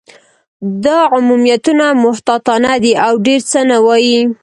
دا عمومیتونه محتاطانه دي، او ډېر څه نه وايي.